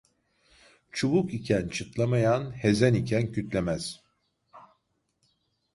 Çubuk iken çıtlamayan, hezen iken kütlemez.